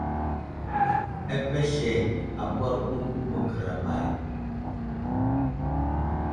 Apesleŋ akwar ɗu məgəra may ?